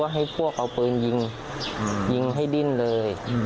ให้พวกเอาปืนยิงยิงให้ดิ้นเลย